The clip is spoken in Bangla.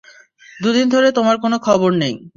দুদিন ধরে তোমার কোন খবর নেই।